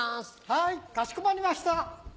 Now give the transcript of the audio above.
はいかしこまりました。